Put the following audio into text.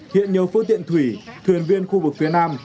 hiện nhiều phương tiện thủy thuyền viên khu vực phía nam